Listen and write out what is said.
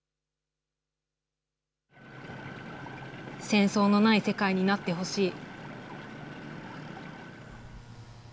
戦争のない世界になってほしい。